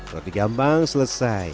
roti gambang selesai